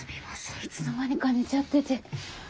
いつの間にか寝ちゃってて。